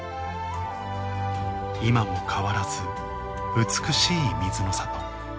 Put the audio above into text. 今も変わらず美しい水の里